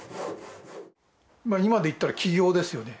今で言ったら起業ですよね。